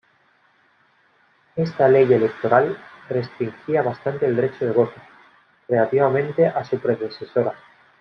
Esta ley electoral restringía bastante el derecho de voto, relativamente a su predecesora.